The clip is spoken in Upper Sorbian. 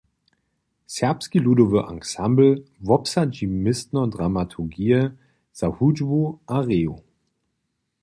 Serbski ludowy ansambl wobsadźi městno dramaturgije za hudźbu a reju.